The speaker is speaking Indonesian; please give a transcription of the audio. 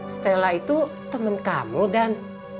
stella itu temen kamu dan